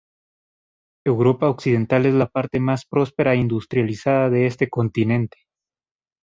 Europa Occidental es la parte más próspera e industrializada de este continente.